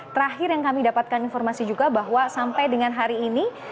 terakhir yang kami dapatkan informasi juga bahwa sampai dengan hari ini